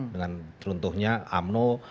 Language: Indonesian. dengan teruntuhnya umno